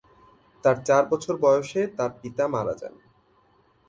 তার চার বছর বয়সে তার পিতা মারা যান।